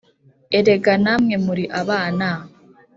Erega na mwe muri abana!